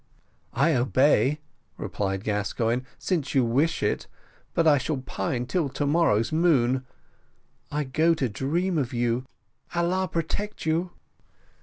"I obey," replied Gascoigne, "since you wish it, but I shall pine till to morrow's moon. I go to dream of you. Allah protect you!"